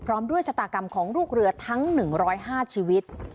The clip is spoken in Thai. พร้อมด้วยชะตากรรมของลูกเรือทั้ง๑๐๕ชีวิต